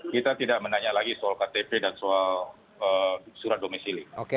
kita tidak menanya lagi soal ktp dan soal surat domisili